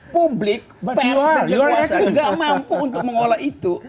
publik psp kekuasaan nggak mampu untuk mengolah itu